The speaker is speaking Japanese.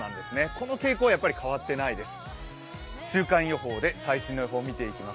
この傾向、やっぱり変わってないです。